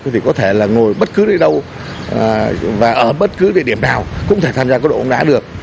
thì có thể là ngồi bất cứ đến đâu và ở bất cứ địa điểm nào cũng thể tham gia các đội bóng đá được